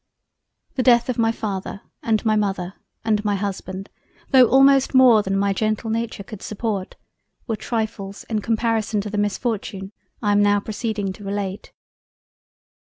The Death of my Father and my Mother and my Husband though almost more than my gentle Nature could support, were trifles in comparison to the misfortune I am now proceeding to relate.